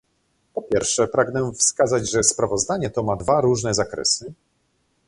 Po pierwsze, pragnę wskazać, że sprawozdanie to ma dwa różne zakresy